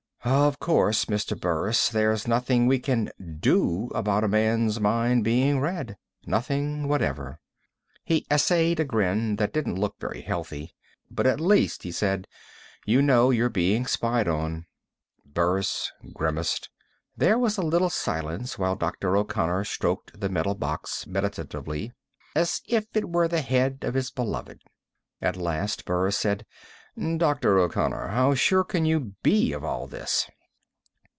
"Of course, Mr. Burris, there's nothing we can do about a man's mind being read. Nothing whatever." He essayed a grin that didn't look very healthy. "But at least," he said, "you know you're being spied on." Burris grimaced. There was a little silence while Dr. O'Connor stroked the metal box meditatively, as if it were the head of his beloved. At last, Burris said: "Dr. O'Connor, how sure can you be of all this?"